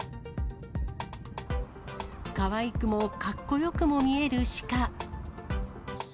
かわいくもかっこよくも見えるシカ。